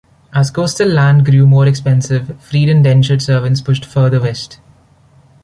As coastal land grew more expensive freed indentured servants pushed further west.